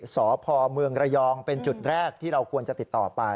สพเมืองระยองเป็นจุดแรกที่เราควรจะติดต่อไป